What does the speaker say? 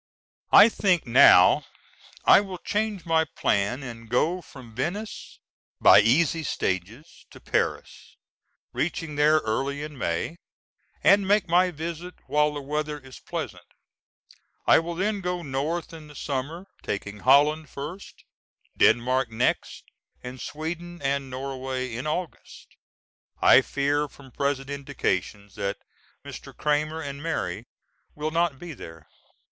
I think now I will change my plan and go from Venice, by easy stages, to Paris, reaching there early in May, and make my visit while the weather is pleasant. I will then go north in the summer, taking Holland first, Denmark next, and Sweden and Norway in August. I fear from present indications that Mr. Cramer and Mary will not be there.